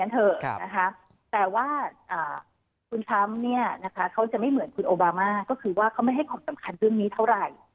แต่ว่าคุณทรัมป์เนี่ยนะคะเขาจะไม่เหมือนคุณโอบามาก็คือว่าเขาไม่ให้ความสำคัญเรื่องนี้เท่าไหร่